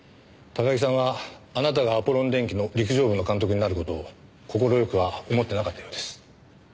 高木さんはあなたがアポロン電機の陸上部の監督になる事を快くは思ってなかったようです。